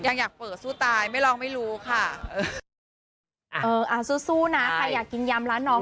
ยังอยากเปิดสู้ตายไม่ลองไม่รู้ค่ะ